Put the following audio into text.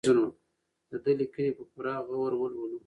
د ده لیکنې په پوره غور ولولو.